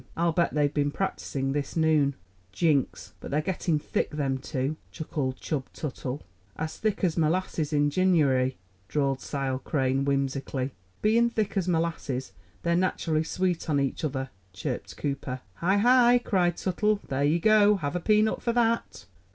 I'll bet they've been practicing this noon." "Jinks! but they're getting thick, them two," chuckled Chub Tuttle. "As thick as merlasses in Jinuary," drawled Sile Crane whimsically. "Being thick as molasses, they're naturally sweet on each other," chirped Cooper. "Hi! Hi!" cried Tuttle. "There you go! Have a peanut for that."